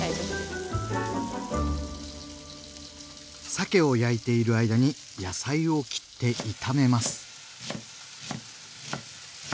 さけを焼いている間に野菜を切って炒めます。